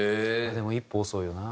でも一歩遅いよな。